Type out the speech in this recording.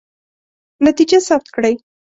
نتیجه ثبت کړئ.